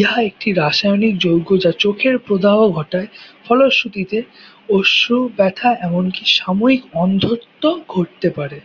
ইহা একটি রাসায়নিক যৌগ যা চোখের প্রদাহ ঘটায় ফলশ্রুতিতে অশ্রু, ব্যথা এমনকি সাময়িক অন্ধত্ব ঘটতে পারে।